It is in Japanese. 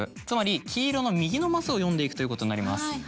つまり「きいろ」の右のマスを読んでいくということになります。